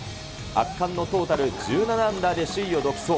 圧巻のトータル１７アンダーで首位を独走。